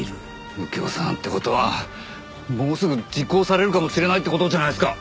右京さんって事はもうすぐ実行されるかもしれないって事じゃないですか！